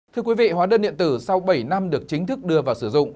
thưa quý vị hóa đơn điện tử sau bảy năm được chính thức đưa vào sử dụng